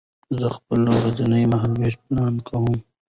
زه خپل ورځنی مهالوېش پلان کوم.